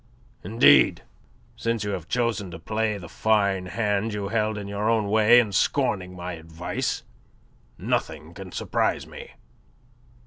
Indeed, since you have chosen to play the fine hand you held in your own way and scorning my advice, nothing can surprise me."